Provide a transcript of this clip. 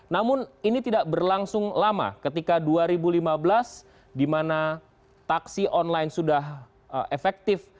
namun ini tidak berlangsung lama ketika dua ribu lima belas di mana taksi online sudah efektif